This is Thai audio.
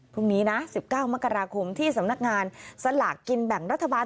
พรุ่งนี้นะ๑๙มกราคมที่สำนักงานสลากกินแบ่งรัฐบาล